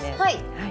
はい！